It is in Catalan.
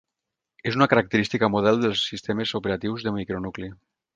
És una característica model dels sistemes operatius de micro-nucli.